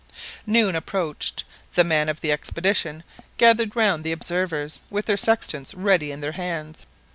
Noon approached. The men of the expedition gathered round the observers with their sextants ready in their hands.